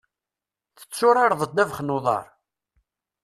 Tetturareḍ ddabex n uḍar?